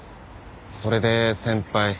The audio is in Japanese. それで先輩。